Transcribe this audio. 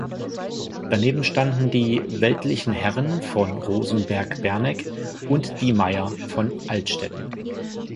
Daneben standen die weltlichen Herren von Rosenberg-Berneck und die Meier von Altstätten.